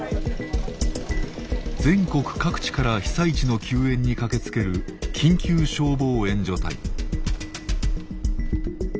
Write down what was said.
全国各地から被災地の救援に駆けつける緊急消防援助隊。